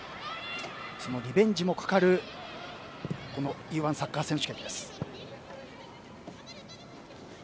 そのリベンジもかかるＥ‐１サッカー選手権です。